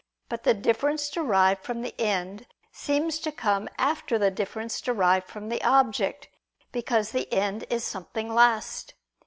But the difference derived from the end seems to come after the difference derived from the object: because the end is something last.